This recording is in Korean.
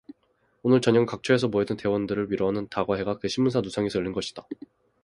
오늘 저녁은 각처에서 모여든 대원들을 위로하는 다과회가 그 신문사 누상에서 열린것이다.